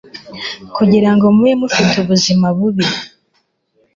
kugira ngo mubi mufite ubuzima bubi